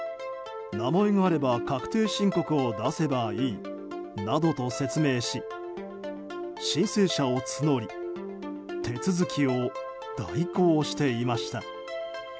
名前があれば確定申告を出せばいいなどと説明し申請者を募り手続きを代行していました。